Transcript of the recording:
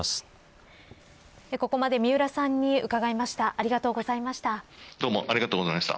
ここまで三浦さんに伺いました。